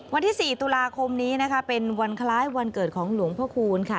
วันที่๔ตุลาคมนี้นะคะเป็นวันคล้ายวันเกิดของหลวงพ่อคูณค่ะ